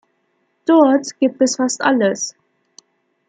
Dort gibt es fast alles.